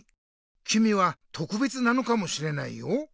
きみは「とくべつ」なのかもしれないよ。